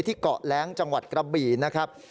เกาะแร้งจังหวัดกระบี่นะครับ